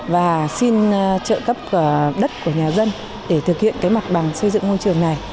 và xin chợ cấp đất của nhà dân để thực hiện cái mặt bằng xây dựng ngôi trường này